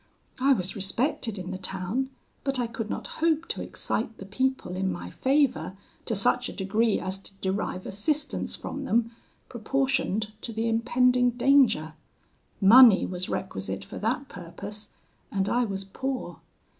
I was respected in the town, but I could not hope to excite the people in my favour to such a degree as to derive assistance from them proportioned to the impending danger: money was requisite for that purpose, and I was poor.